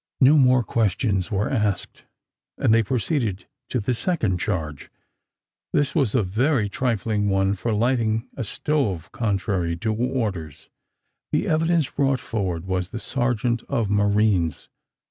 No more questions were asked, and they proceeded to the second charge. This was a very trifling one for lighting a stove, contrary to orders. The evidence brought forward was the sergeant of marines.